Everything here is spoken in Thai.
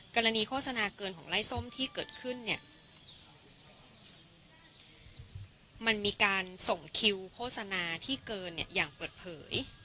กรณีโฆษณาเกินของไล่ส้มที่เกิดขึ้นเนี่ยมันมีการส่งคิวโฆษณาที่เกินเนี่ยอย่างเปิดเผย